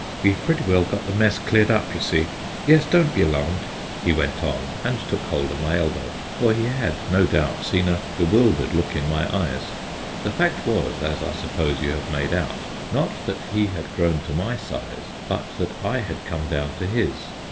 "We've pretty well got the mess cleared up, you see. Yes, don't be alarmed," he went on, and took hold of my elbow, for he had, no doubt, seen a bewildered look in my eyes. The fact was, as I suppose you have made out, not that he had grown to my size, but that I had come down to his.